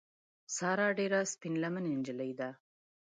ساره ډېره سپین لمنې نجیلۍ ده.